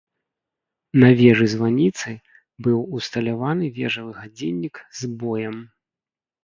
На вежы-званіцы быў усталяваны вежавы гадзіннік з боем.